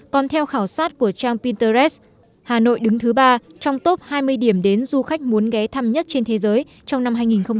còn theo khảo sát của trang pinterres hà nội đứng thứ ba trong top hai mươi điểm đến du khách muốn ghé thăm nhất trên thế giới trong năm hai nghìn hai mươi